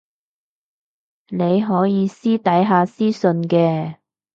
你可以私底下私訊嘅